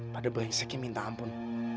pada brengsekin minta ampun